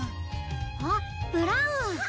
あっブラウン。